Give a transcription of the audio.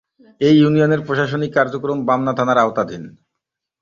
এ ইউনিয়নের প্রশাসনিক কার্যক্রম বামনা থানার আওতাধীন।